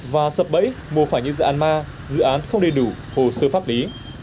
và sập bẫy mua phải như dự án ma dự án không đầy đủ hồ sơ pháp lý